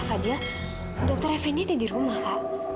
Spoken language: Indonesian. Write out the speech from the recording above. fadil dokter fnd ada di rumah kak